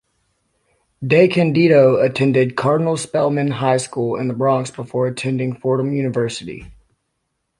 DeCandido attended Cardinal Spellman High School in the Bronx before attending Fordham University.